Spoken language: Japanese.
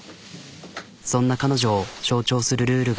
そんな彼女を象徴するルールが。